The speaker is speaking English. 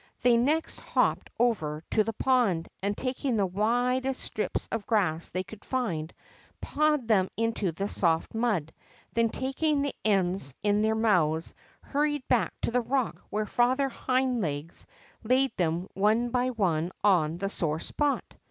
They next hopped over to the pond, and, taking the widest strips of grass they could find, pawed them into the soft mud, then, taking the ends in their mouths, hurried back to the rock, where Father Hind Legs laid them one by one on the sore spot.